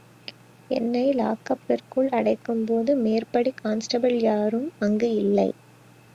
என்னை லாக்கப்பிற்குள் அடைக்கும்போது மேற்படி கான்ஸ்டெபிள் யாரும் அங்கு இல்லை.